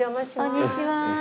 こんにちは。